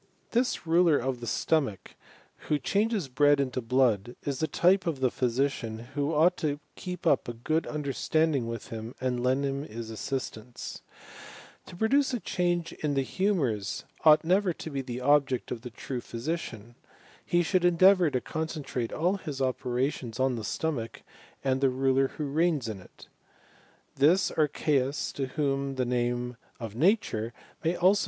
This ruler of the stomach, who changes bread into blood, is the type of the physicianj'^ who ought to keep up a good understanding with him,V* and lend him his assistance. To produce a change iri^ the humours ought never to be the object of the tru6 .■;. physician, he should endeavour to concentrate all \ai^' ^ operations on the stomach and the ruler who reigns in it«^ 1 This Archeeus to whom the name of Nature may abqf '; :i CHEMISTRT OF PARACELSUS.